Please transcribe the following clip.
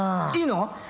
いいの？